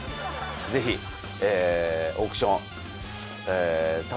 ぜひオークション。